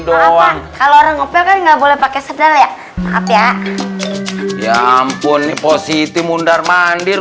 doang kalau orang ngopi akan nggak boleh pakai sedal ya maaf ya ya ampun positif mundar mandir